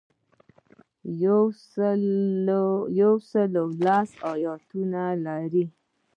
یو سل لس ایاتونه لري.